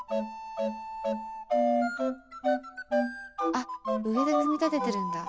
あっ上で組み立ててるんだ。